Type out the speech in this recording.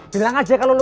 bilang aja kalau lo